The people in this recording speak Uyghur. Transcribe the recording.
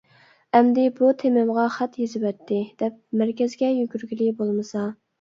ئەمدى بۇ تېمىمغا خەت يېزىۋەتتى دەپ مەركەزگە يۈگۈرگىلى بولمىسا.